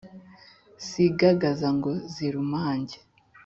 sigagaza ngo zirumange